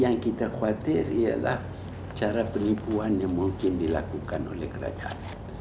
yang kita khawatir ialah cara penipuan yang mungkin dilakukan oleh kerajaan